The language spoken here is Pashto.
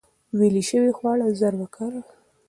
ویلې شوي خواړه ژر وکاروئ.